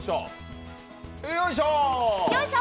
よいしょ！